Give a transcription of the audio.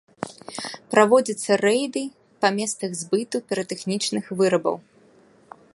Праводзяцца рэйды па месцах збыту піратэхнічных вырабаў.